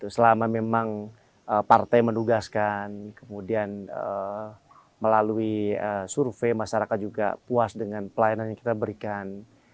selama memang partai menugaskan kemudian melalui survei masyarakat juga puas dengan pelayanan yang kita berikan